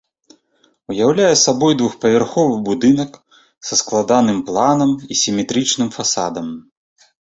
Уяўляе сабой двухпавярховы будынак са складаным планам і сіметрычным фасадам.